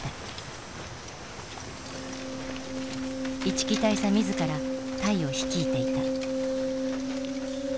一木大佐自ら隊を率いていた。